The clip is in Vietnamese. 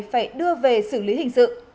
phải đưa về xử lý hình sự